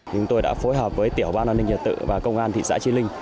chúng tôi đã phối hợp với tiểu ban an ninh trật tự và công an thị xã trí linh